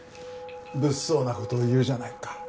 物騒な事を言うじゃないか。